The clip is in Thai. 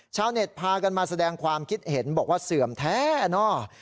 ชาวเน็ตพากันมาแสดงความคิดเห็นบอกว่าเสื่อมแท้เนอะ